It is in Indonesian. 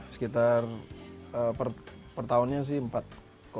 sekitar per tahunnya sih empat